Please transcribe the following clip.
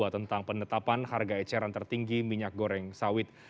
tentang penetapan harga eceran tertinggi minyak goreng sawit